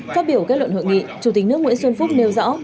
phát biểu kết luận hội nghị chủ tịch nước nguyễn xuân phúc nêu rõ